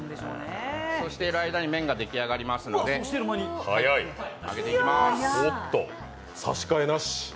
そうしている間に麺が出来上がりますので上げてきます。